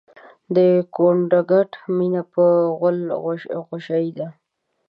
د ګونګټ مينه په غول غوشايه ده